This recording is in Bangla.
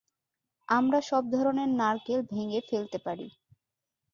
আমরা সব ধরণের নারকেল ভেঙে ফেলতে পারি।